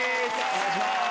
お願いします。